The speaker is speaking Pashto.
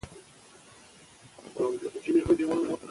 پښتو به په ټولو ډیجیټلي الاتو کې وکارول شي.